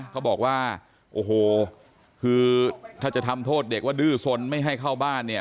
เขาบอกว่าโอ้โหคือถ้าจะทำโทษเด็กว่าดื้อสนไม่ให้เข้าบ้านเนี่ย